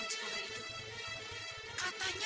hati hati jangan curiga